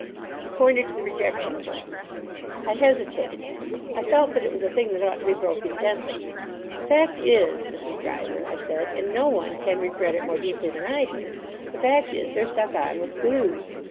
She pointed to the rejection forms. I hesitated. I felt that it was a thing that ought to be broken gently. "The fact is, Mrs. Driver," I said, "and no one can regret it more deeply than I do—the fact is, they're stuck on with glue."